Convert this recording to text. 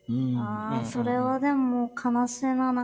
それはでも悲しいな何か。